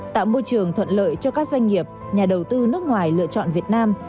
tạo môi trường thuận lợi cho các doanh nghiệp nhà đầu tư nước ngoài lựa chọn việt nam